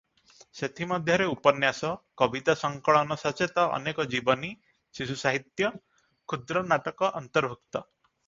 ସେଥିମଧ୍ୟରେ ଉପନ୍ୟାସ, କବିତା ସଂକଳନ ସମେତ ଅନେକ ଜୀବନୀ, ଶିଶୁ ସାହିତ୍ୟ, କ୍ଷୁଦ୍ର ନାଟକ ଅନ୍ତର୍ଭୁକ୍ତ ।